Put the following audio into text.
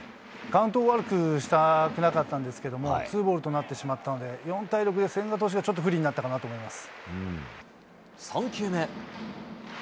カウントを悪くしたくなかったんですけれども、ツーボールとなってしまったので、４対６で千賀投手がちょっと不利になったかなと思います。